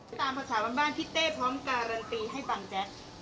ตามภาษาบ้านพี่เต้พร้อมการันตีให้บังแจ๊ก